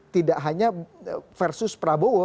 tidak hanya versus prabowo